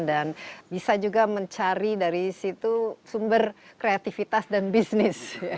dan bisa juga mencari dari situ sumber kreativitas dan bisnis